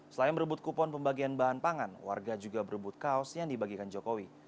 selain merebut kupon pembagian bahan pangan warga juga berebut kaos yang dibagikan jokowi